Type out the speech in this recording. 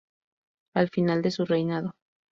Al final de su reinado.